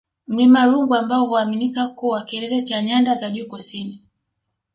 Mlima Rungwe ambao huaminika kuwa kilele cha Nyanda za Juu Kusini